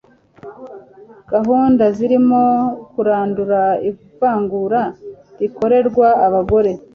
gahunda zirimo kurandura ivangura rikorerwa abagore